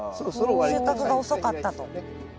収穫が遅かったと。